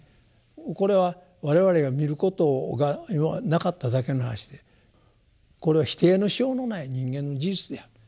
もうこれは我々が見ることがなかっただけの話でこれは否定のしようのない人間の事実である。